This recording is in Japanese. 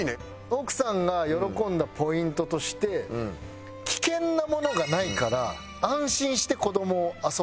奥さんが喜んだポイントとして危険なものがないから安心して子どもを遊ばせられる。